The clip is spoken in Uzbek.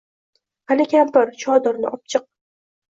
Qani, kampir, chodirni opchiq.